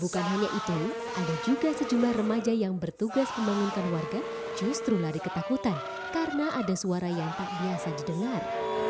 bukan hanya itu ada juga sejumlah remaja yang bertugas membangunkan warga justru lari ketakutan karena ada suara yang tak biasa didengar